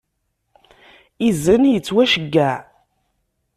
Izen yettwaceyyeɛ.